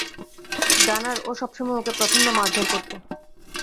গানার, ও সবসময় ওকে প্রচন্ড মারধর করতো।